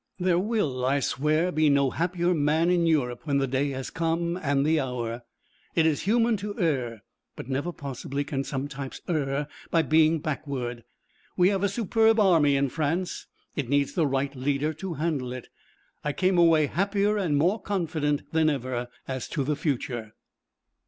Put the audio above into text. There will, I swear, be no happier man in Europe when the day has come and the hour. It is human to err, but never possibly can some types err by being backward. We have a superb army in France. It needs the right leader to handle it. I came away happier and more confident than ever as to the future.